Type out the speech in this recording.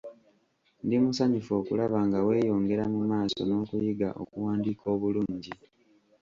Ndi musanyufu okulaba nga weeyongera mu maaso n'okuyiga okuwandiika obulungi.